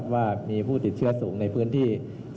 ว่ามีผู้ติดเชื้อสูงในพื้นที่